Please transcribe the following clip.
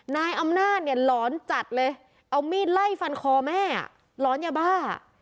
นายอำนาจเนี่ยหลอนจัดเลยเอามีดไล่ฟันคอแม่หลอนยาบ้า